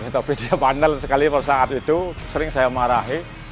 tapi dia pandal sekali pada saat itu sering saya marahi